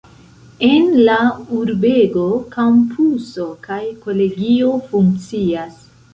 En la urbego kampuso kaj kolegio funkcias.